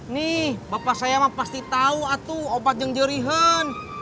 nih bapak saya emang pasti tau atuh opat jengjerihan